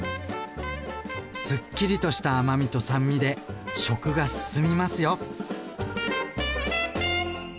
すっきりとした甘みと酸味で食が進みますよ。